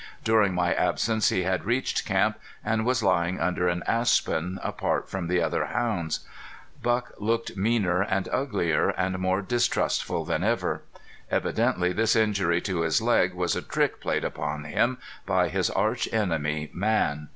During my absence he had reached camp, and was lying under an aspen, apart from the other hounds. Buck looked meaner and uglier and more distrustful than ever. Evidently this injury to his leg was a trick played upon him by his arch enemy man.